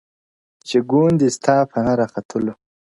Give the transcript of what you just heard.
چي ګوندي ستا په نه راختلو -